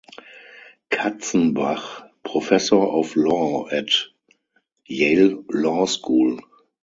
Katzenbach Professor of Law at Yale Law School.